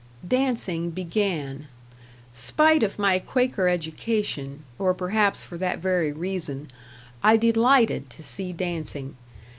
Dancing began. Spite of my Quaker education, or perhaps for that very reason, I delighted to see dancing.